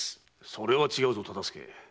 それは違うぞ忠相。